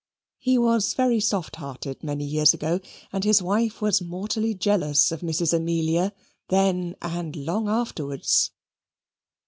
He was very soft hearted many years ago, and his wife was mortally jealous of Mrs. Amelia, then and long afterwards.